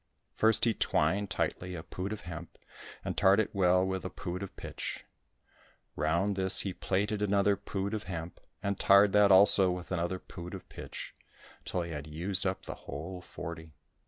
First he twined tightly a pood of hemp, and tarred it well with a pood of pitch ; round this he plaited another pood of hemp, and tarred that also with another pood of pitch, till he had used up the whole forty.